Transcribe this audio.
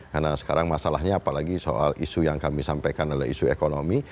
karena sekarang masalahnya apalagi soal isu yang kami sampaikan adalah isu ekonomi